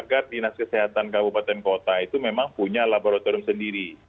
kedinas kesehatan kabupaten kota itu memang punya laboratorium sendiri